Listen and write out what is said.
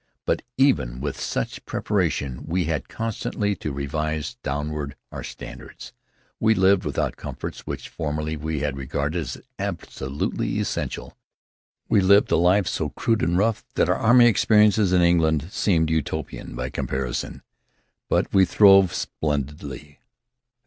But even with such preparation we had constantly to revise downward our standards. We lived without comforts which formerly we had regarded as absolutely essential. We lived a life so crude and rough that our army experiences in England seemed Utopian by comparison. But we throve splendidly.